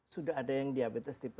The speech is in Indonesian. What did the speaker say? sudah ada yang diabetes tipe